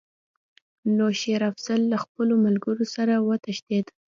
نو شېر افضل له خپلو ملګرو سره وتښتېد.